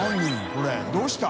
これどうした？